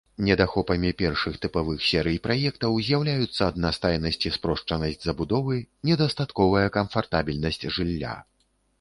Недахопамі першых тыпавых серый праектаў з'яўляюцца аднастайнасць і спрошчанасць забудовы, недастатковая камфартабельнасць жылля.